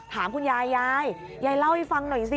ถามคุณยายยายยายเล่าให้ฟังหน่อยสิ